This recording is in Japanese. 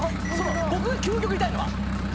僕が究極言いたいのは。